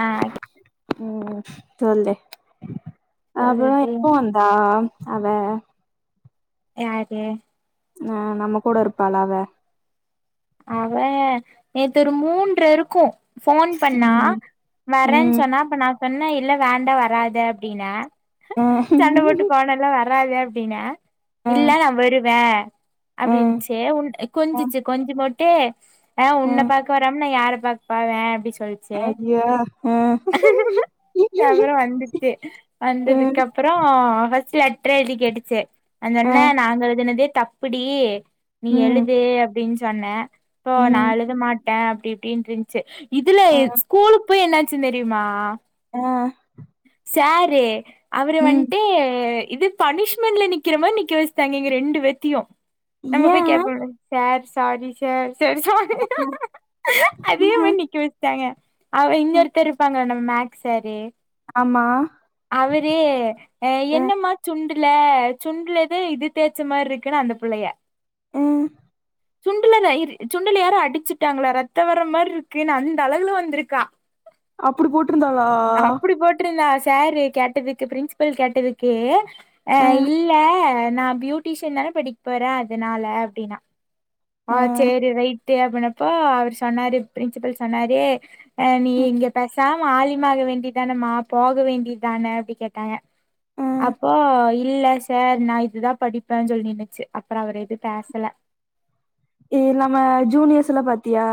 ஆ ம் சொல்லு அப்புற சொல்லுடி எப்போ வந்தா அவ யாரு ஆ நம்ம கூட இருப்பாள அவ அவ நேத்து ஒரு மூன்ர இருக்கு போன் பண்ண ம் வரேன் ம் சொன்னாப்ப நா சொன்ன இல்ல வேண்டா வராத அப்டின்ன ஆ வராது அப்படின்ன ஆ இல்ல நா வருவே [inaudible] ஆ அப்படின்னுச்சே உ ஆ கொஞ்சிச்சு கொஞ்ச [unintelligible] தே ஆ உன்ன பாக்க வராம நா யார [unintelligible] சொல்லிச்சே ஐயோ ஆ அப்புற வந்துச்சு வந்ததுக்கு ம் அப்புறோ ஃபஸ்ட் லெட்டர் எழுதி கேட்டுச்சி நா ஆ சொன்ன நாங்க எழுதுனதே தப்புடி. நீ ம் எழுது அப்படின் சொன்னே. போ நா ம் எழுத மாட் டேன் அப்படி இப்படின்னுருன்ச்சு. இதுல ஆ ஸ்கூலு போய் என்னா ச்சு தெரியுமா? ஆ சார்ரு அவரு ம் வண்ட்டு இது பனிஷ்மெண்ட்ல நிக்கிற மாரி நிக்க வச்சுடாய்ங்க எங்க ரெண்டு பேத்தியு. நம்ம ஏ போய் அ கேப்பம்ல சார் சாரி சார். சரி சாரி அ அதே மாரி நிக்க வச்ட்டாங்க. அவ இங்க அ ஒருத்தர் இருப்பாங்க. நம்ம மேக் சாரு. ஆமா அவரே, ஆ அ என்னமா சுண்டு ல சுண்டலதே இது தேச்ச மாரி இருக்கன்னு, அந்த பிள்ளைய உம் சுண்டுல ரு சுண்டுல யாரும் அடிச்சுட்டாங்களா ரத்த வர மாரி இருக்கு. அந்த அழகுல வந்திருக்கா. அப்புடி போட்டிருந்தாளா. போட்ரூந்தா சாரு கேட்டதுக்கு பிரின்பல் கேட்டதுக்கு அ இல்ல நா பியூட்டிஷியன் தானே படிக்க போறே அதனால அப்டினா. அ அ ஆ செரி ரைட்டு அப்பனப்போ அவரு சொன்னாரு பிரின்சபல் சொன்னாரு நீ இங்க பேசாம [unintelligible] வேண்டி தானமா போக வேண்டியதுதானே அப்படி கேட்டாங்க. அ அப்போ இல்ல சார் நா இதுதா படிப்பே சொல்லினின்னுசு. அப்புறோ அவர் எது பேசல. அப்டியா.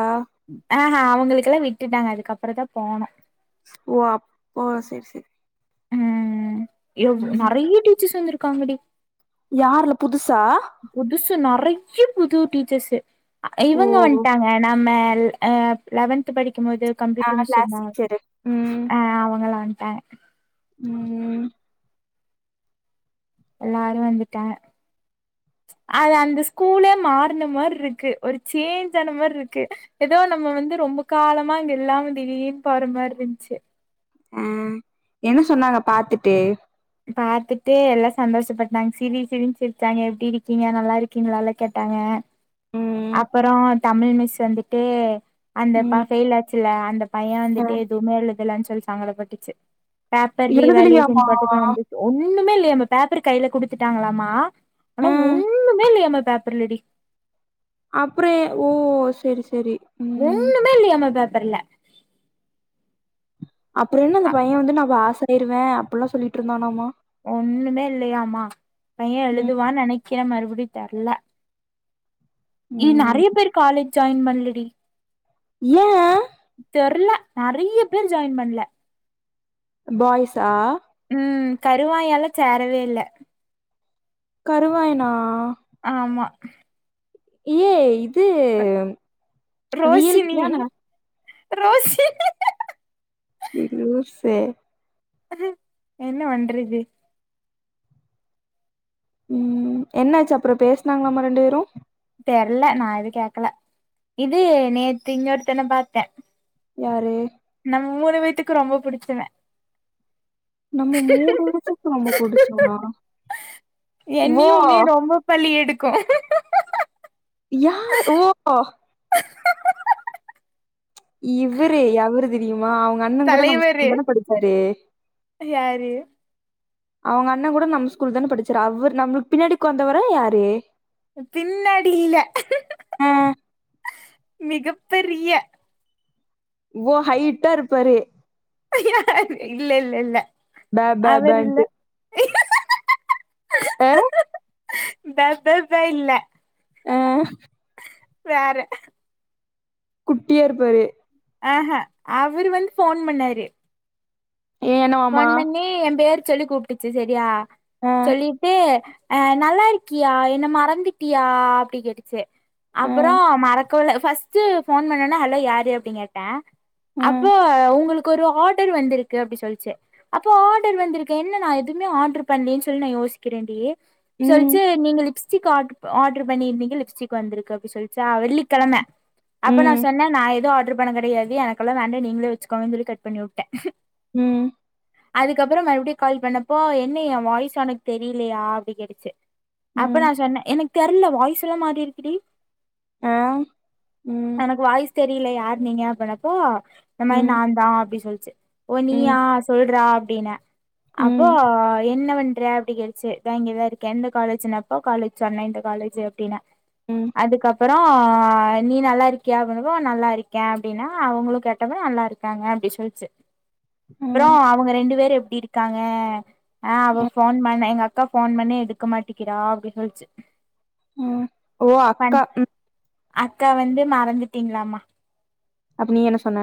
ஆ ஆ ம். அவங்களுக்கெல்லா விட்டுட்டாங்க அதுக்கப்புறோ தா போனோ. ஓ அப்போ செரி செரி. ம் எவ் நறைய டீச்சர்ஸ் வந்துரு காங்கடி. யாரல புதுசா? [unintelligible] புது டீச்சர்ஸ்சு. ஓ இவங்க வந்துட்டாங்க நம்ம ஆ லெவன்த் படிக்க ம் போது ஆ கம்ப்யூட்டர் மிஸ் கிளாஸ் இருந்தாங்க டீச்சரு ஆ அவங்களா ஆ ம் ம் எல்லாரு வந்துட்டாங்க அது அந்த ஸ்கூலே மாருன மார்ருக்கு ஒரு சேஞ்ச் ஆன மார்ருக்கு ஏதோ நம்ம வந்து ரொம்ப காலமா இங்க இல்லாம திடீர்ன்னு போற மார்ரிந்ச்சு ம் என்ன சொன்னாங்க பாத்துட்டு பாத்துட்டு எல்லா சந்தோஷப்பட்டாங்க சிரி சிரின்னு சிரிச்சாங்க எப்பிடி இருக்கீங்க நல்லா ருக்கீங்களால்லா கேட்டாங்க ம் அப்பறோ தமிழ் மிஸ் வந்துட்டு அந்த ப ம் ஃபெயில் ஆச்சுல்ல அந்த பைய ஆ வந்துட்டு எதுவுமே எழுதலன்னு சொல்லி சாங்கட பட் டுச்சு பேப்பர் ரீவேல்யேஷன் எழுதலையாமா போட்டது வந்துச்சு ஒண்ணுமே இல்லையாம பேப்பர் கையில குடுத்துட்டாங்களாமா ஆ ஆனா ஒண்ணுமே இல்லையாம பேப்பர்லடி அப்புறோ ஓ செரி செரி ம் ஒண்ணுமே இல்லயாமா பேப் இப்பெல்ல அப்பறென்ன அந்த பைய வந்து நம்ம பாசு பொயிருவே அப்பட்ல்லா சொல்லிட் ருந்தானாமா ஒண்ணுமே இல்லையாமா பைய ம் எழுதுவா நென க்கிற மறுபடியு தெர்ல இது ம் நறைய பேர் காலேஜ் ஜாயின் பண்லடி ஏ தெர்ல நெறைய பேர் ஜாயின் பண்ல பாய்ஸ்ஸா உம் கருவாயல்லா சேரவே இல்ல கருவாயனா ஆமா ஏய் அ எல் பி ரோஷினி தான ரோஸ்ஸு எ லூசு அது என்ன வண்றது உம் என்னாச்சு அப்றோ பேஸ்னாங்களாமா ரெண்டு வேரு தெர்ல நா எது கேக்கல இது நேத்திங்கொர்த்தன பாத்த யாரு மூணு பேத்துக்கு ரொம்ப புடிச்சவ நம்ம மூணு வேத்துக்கு ரொம்ப புடுச்சவ்னா ஓ கு யார் ஓ இவுரு அவரு தெரியு மா அவங்கண்ண கூட நம்ம தலைவரு ஸ்கூல் தான படிச்சாரு யாரு? அவங் அண்ணங்கூட நம்ம ஸ்கூல் தான படிச்சாரு அவுர் நம்மளுக் பின்னாடி உக்காந்தவரா யாரு பின்னாடியில்ல ஆ மிகப் பெரிய ஓ ஹைட்டாருப்பாரு யாரு இல்ல இல்ல இல்ல பே பே அவர் இல்ல. பேண்ட்டு ஆஹ் பே பே பே இல்ல ஆஹ் வேற குட்டியா இருப்பாரு ஆ ஆஹ் அவரு வந்து ஃபோன் பண்ணாரு ஏ என்னவாமா? ஃபோன் பண்ணி எம்பேரு சொல்லி கூப்ட்டுச்சு செரியா ஆ சொல்லிட்டு அஹ் நல்லாருக்கியா என்ன மறந்துட்டியா அப்டி கேட்டுச்சு ஆ அப்பறோ மறக்கல ஃபஸ்ட்டு ஃபோன் பண்ணோனே ஹலோ யாரு அப்டி கேட்டே ஆ அப்ப உங்களுக் கு ஒரு ஆடர் வந்திருக்கு அப்டி சொல்ச்சு அப்போ ஆடர் வந்துருக்கு என்ன நா எதும்மே ஆட்ரு பண்லயே சொல்லி நா யோசிக்கிறேன்டி ம் சொல்ச்சு நீங்க லிப்ஸ்டிக் ஆட்ரு ப ஆட்ரு பண்ணிருந்தீங்க லிஸ்டிக் வந்திருக்கு அப்டி சொல்ச்சா வெள்ளிக்கெழம அப்ப நா ம் சொன்னே நா எது ஆட் டர் பண்ணது கிடையாது எனக்கெல்லாம் வேண்டாம் நீங்களே வச்சுக்கோங்க சொல்லி கட் பண்ணி விட்ட உம் அதுக்கப்புறம் மறுபடியும் கால் பண்ணப்போ என்ன எ வாய்ஸ் உனக்கு தெரியலையா அப்டி கேட்டுச்சு அப்ப ம் நா சொன்ன எனக் தெர்ல வாய்ஸ் எல்லா மாறி இருக்கு ஆ உம் தெரில யாரு நீங்க அப்பனப்போ இந்த மாரி நா ம் தா அப்டி சொல் ஒ நீயா ம் சொல்றா அப்டின்னேன் அப்போ ம் என்ன பண்ற அப்டின்னு கேட்டுச்சு இத இங்கதா இருக்கே எந்த காலேஜ்ன்னு அப்போ காலேஜ் சொன்னேன் இந்த காலேஜ் அப்டின்னு ம் அதுக்கப்புறம் நீ நல்லா இருக்கியா அப்போ நா நல்லா இருக்கேன் அப்டின்னேன் அவங்களும் கேட்டாங்க நல்லா இருக்காங்க அப்டி சொல்லுச்சு உம் அப்புறம் அவங்க ரெண்டு பேரும் எப்டி இருக்காங்க ஆ அவ போன் பண்ண எங்க அக்கா போன் பண்ணே எடுக்க மாட்டேங்குற அப்டி சொல்லிச்சு உம் ஓ அக்கா அக்கா வந்து மறந்துட்டீங்களாமா அப்ப நீ என்ன சொன்ன?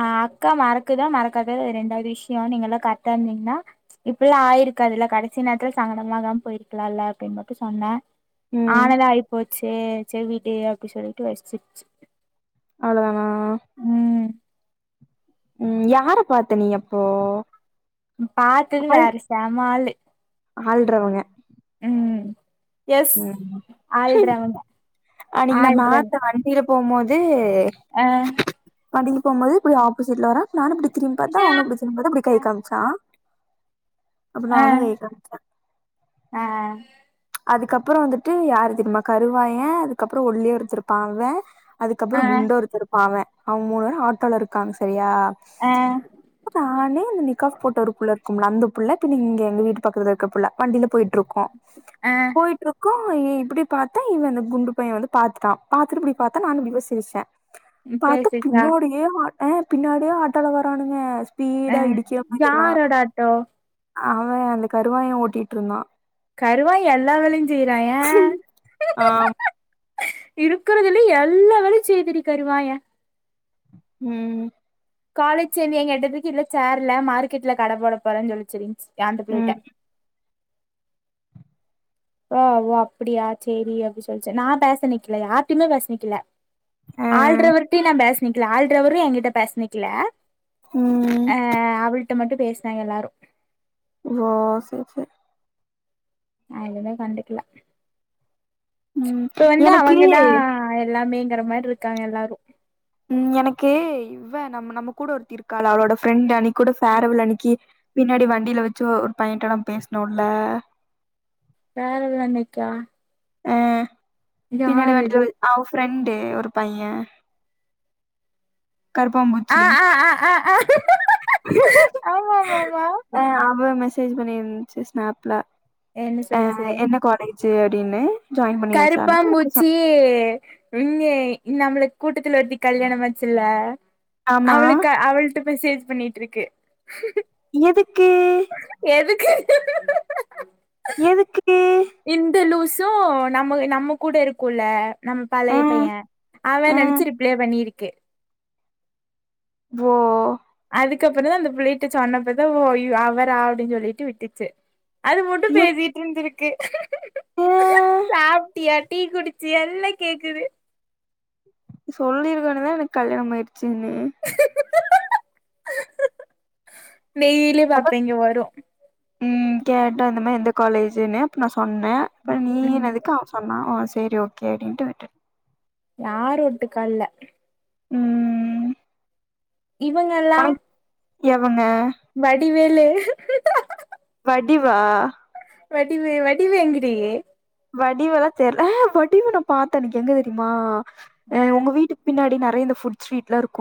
ஆ அக்கா மறக்குதோ மறக் ரெண்டாவது விஷயம் நீங்க எல்லா கரெக்டா இருந்தீங்கன்னா இப்ப எல்லா ஆயிருக்காது இல்ல கடைசி நேரத்துல சங்கடம் ஆகாம போயிருக்கலாம் இல்ல அப்டின்னு மட்டும் சொன்னே ம். ஆனது ஆகிப்போச்சே சேரி விடு அப்டி சொல்லிட்டு வச்சுடுச்சு அவ்ளோதானா உம் யார பாத்த நீ அப்போ பாத்தது ஆள் வேற செம்மா ஆலு ஆள்றவங்க ம் எஸ் உம் ஆள்றவங்க அன்னிக்கி நம்ம ஆள்றவங்க ஆட்டோ வண்டிலப் போமோது ஆ வண்டில்ல போமோது இப்படி ஆப்போஸ் இதுலவரா நானுப் இப்படி திரும்பாத்தா ஆ அவனு இப்படி திரும்பாத்தா அப்டி கை காம்ச்சா அப்போ நானு கை காம்ச்ச ஆ அதுக்கப்பறோ வந்துட்டு யாரு தெருமா கருவாயன் அதுக்கப்பறோ ஒல்லியா ஒருத்த இருப்ப அவ அதுக்கப்பற ஆ குண்டா ஒருத்த இருப்ப அவ அவங்க மூணு பேரும் ஆட்டோல இருக்காங் சரியா ஆ நானே அந்த நிக்காஸ் போட்ட ஒரு புள்ள கும்ல அந்த புள்ள பின் இங்க எங்க வீட்டு பக்குதுல இருக்க புள்ள வண்டில போய்ட்ருக்கோ ஆ போய்ட்ருக்கோ இவ ஏன் இப்புடி பாத்தா இவன் அந்த குண்டு பைய வந்து பாத்ட்டுடா பாத்துட்டு இப்புடி பாத்தா நானு பியோ சிருச்சிட்ட பாத்து பேசுச்சா பின்னாடியே வர் ஆ பின்னாடியே ஆட்டாலோ வரானுங்க ஆ ஸ்பீடா இடிக்கிற மாரிலா யாரோட ஆட்டோ அவ அந்த கருவாய ஓட்டிட்ருந்தா கருவாய் எல்லா வேலையு செய்றாய ஆம் இருக்குறதுலி எல்லா வேலியு செய்துடி கருவாய உம் காலேஜ் சேந்தியா கேட்டத்துக்கு இல்ல சேரில்ல மாருகெட்ல கட போட போறே சொல்லுச்சிரின்ஸ் ஏன்ட்ட புள்ளிட்ட ம் தா ஓ அப்பிடியா சேரி அப்டி சொல்ச்சு நா பேச நிக்ல யார்ட்டியுமே பேசனிக்கல ஆ ஆல்ரவர்ட்யு நா பேஸ் பிங்குல ஆள்ரவரு என்கிட்ட பேச நிக்கல உம் கிட்ட மட்டு பேஸ்னாங்க எல்லாரு ஓ சேரி சேரி நா எதுமே கண்டுக்குல ம் இப்ப வந்து எனக்கு அவங்கதா எல்லாமே ங்கற மாரு இருக்காங்க எல்லாரு உம் எனக்கு இவ்வ நம் நம்ம கூட ஒருத்தி இருக்கால அவுளோட ஃப்ரெண்டு அன்னிக்கூடோ ஃபேரவல் அன்னிக்கி பின்னாடி வண்டில வச்சு ஒர் பையன்ட்ட நா பேசுனொல்ல ஃபேரவல் அன்னைக்கா ஆ பின்னாடி வண்டுட்டு அவ ஃப்ரெண்ட் ட்டு ஒரு பைய ஆ கருப்பாம்பூச்சி ஆ ஆ ஆ ஆமாமாமா ஆ அவ மெசேஜ் பண்ணியிருந்துச்சு ஸ்நாப்ல என்ன சொல்லிச்சு சு அப்பிடினு கருப்பாம் பூச்சி இங்கே நம்மளுக்கு கூட்டத்துல ஒருத்தி கல்யாணம் ஆச்சுல்ல ஆமா அவளுக்கு அவள் மெசேஜ் பண்ணிட்டு இருக்கு எதுக்கு எதுக்கு எதுக்கு இந்தலூசு சோ நம்ம நம்ம கூட இருக்குல்ல நம் ஆ பழைய பைய அவே ஆ நெனச்சு ரிப்ளே பண்ணிருக்கு ஓ அதுக்கப்றொந்தா அந்த புள்ளைட்ட சொன்னப்பதா ஓ அவரா அப்டின் சொல்லிட்டு விட்டுச்சு அது மட்டு எதுக்கு பேசிட்ருந்துருக் கே சாப்ட்டியா டீ குடிச்சி எல்லா கேக்குது சொல்லிருக்கணுமே எனக் கல்யாணம் ஆயிருச்சுன்னு டெய்லி அப்ப பாப்பே இங்க வரு ம் கேட்டோ இந்த மாரி எந்த காலேஜுன்னு நா சொன்னே இப்ப ம் நீனதுக்கு அவ சொன்னா சேரி ஓகே அடின்ட்டு விட்டு யாரு ஒட்டுக்கால்ல ம் இவுங்கல்லா உனக்கு எவங்க வடிவேலு வடிவா வடிவு வடிவு எங்கடி வடிவெல்லா தெர் ஆஹ வடிவ நா பாத்தன்னைக்கி எங்க தெரிய்மா ஆ உங்க வீட்டுக் பின்னாடி ந ற இந்த ஃபுட் ஸ்ட்ரீட்லா இருக்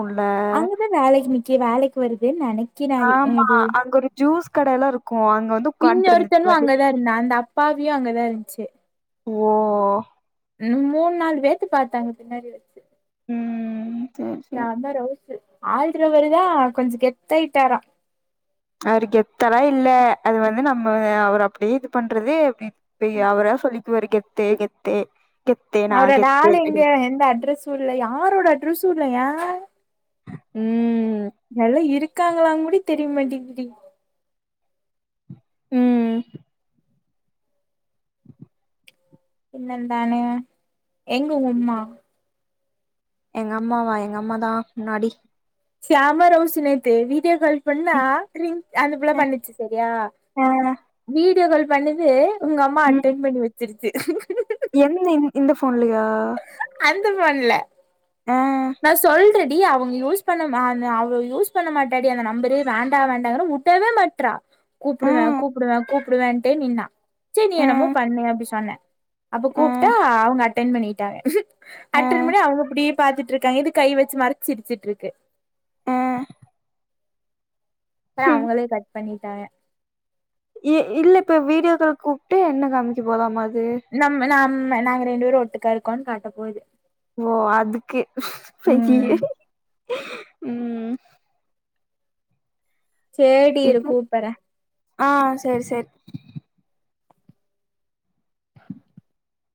அங்கதா வேலைக்கு நிக்கி வேலைக்கு வருதுன் நெனக்கிற அது ஆமா அது அங்க ஒரு ஜூஸ் கட எல்லா இருக்கு அங்க வந்து உக்கான்ட்ருந்துச்சு இன்னொருத்தனு வடிவு அங்கதா இருந்தா அந்த அப்பா இப்யு அங்கதா இருன்ச்சி ஓ ம் மூண் நால் பேத்துக்கு பாத்தாங்க பின்னாடி வச்சி ம் சேரி சேரி செம்ம ரோஸூ ஆல்ரவரி தா கொஞ்ச கெத்தாயிட்டாரா அவுரு கெத்தெல்லா இல்ல அது வந்து நம்ம அவர அப்டியே இது பண்றது அப்டி பெய் அவரா சொல்லி ஒரு கெத்து கெத்து கெத்து நா அவரோட கெத்து ஆளு எங்க அப்டின் எந்த அட்ரஸ்ஸு இல்ல யாரோட அட்ரஸ்ஸு இல்லங்க ம் மொல்ல இருக்காங்களானு குட தெரியமாட்டிகிது ம் என்னதானோ எங்க ஒங்கம்மா எங்கம்மாவா எங்கம்மாதா முன்னாடி கேமராசினது நேத்து வீடியோ கால் பண்ணா ம் அந்தபுள்ள பண்ணுச்சு சேரியா ஆ வீடியோ கால் பண்ணுது உங்க அம்மா ம் அட்டன் பண்ணி வச்சிருச் து எந்த இந்த போன்லையா அந்த போன்ல நா சொல்றன் டி அவங்க யூஸ் பண்ண ம ந அவ யூஸ் பண்ண மாட்டாடி அந்த நம்பரூ வேண்டா வேண்டாங்க விடவே மாட்டறா ஆ கூப்பிடுவே கூப்பிடுவே கூப்பிடுவேன்டே நின்னா சேரி நீ ஆ என்னமோ பண்ணு அப்டி சொன்ன அப்ப ஆ கூப்பிட்டா அவங்க அட்டன் பண்ணிட்டாக ஆ அட்டன் பண்ணி அவங்க இப்டியே பாத்துட்டுருக் கை வச்சு மறைச்சு சிரிச்சுட்டு இருக்கு ஹ பாத்தா அவங்களே கட் பண்ணிட்டாக இ இல்ல இப்ப வீடியோக்கால் கூப்பிட்டு என்ன காமிக்க போதா மா அது நம்ம நாம் நாங்க ரெண்டு பேரு ஒட்டுக்கா இருக்கோ காட்ட போது ஓ அதுக்கு ம் அய்யய ம் சேரி டி இரு இது கூப்பர்ற ஆ சேரி சேரி